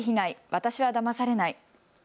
私はだまされない。